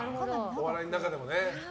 お笑いの中でもね。